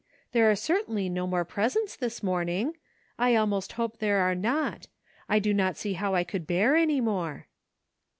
There are cer tainly no more presents this morning! I al most hope there are not. I do not see how I could bear any more."